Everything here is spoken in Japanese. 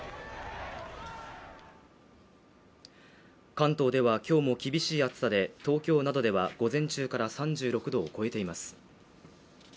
関東ではきょうも厳しい暑さで東京などでは午前中から３６度を超えています